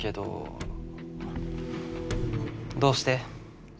どうして？